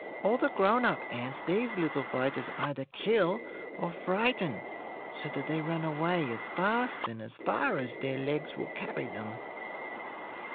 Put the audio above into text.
All the grown up ants these little fighters either kill or frighten so that they run away as fast and as far as their legs will carry them.